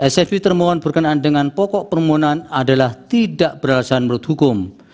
svi termohon berkenaan dengan pokok permohonan adalah tidak beralasan menurut hukum